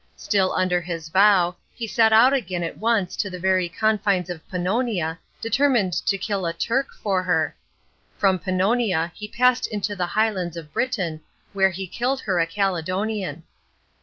Still under his vow, he set out again at once to the very confines of Pannonia determined to kill a Turk for her. From Pannonia he passed into the Highlands of Britain, where he killed her a Caledonian.